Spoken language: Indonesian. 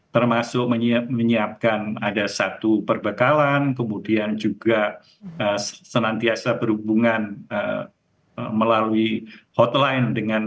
termasuk menyiapkan ada satu perbekalan kemudian juga senantiasa berhubungan melalui hotline dengan